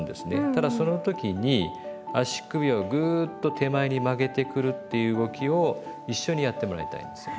ただその時に足首をグーッと手前に曲げてくるっていう動きを一緒にやってもらいたいんですよ。